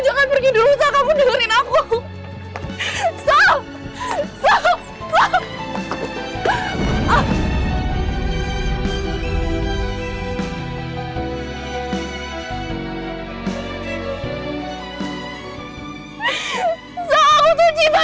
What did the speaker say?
sal please kamu dengerin aku dulu sal